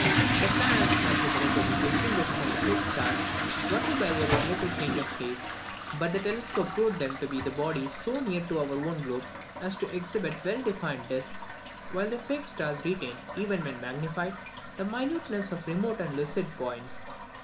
The planets had hitherto been distinguished from the fixed stars only by their relative change of place, but the telescope proved them to be bodies so near to our own globe as to exhibit well defined discs, while the fixed stars retained, even when magnified, the minuteness of remote and lucid points.